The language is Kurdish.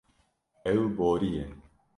Ew boriye.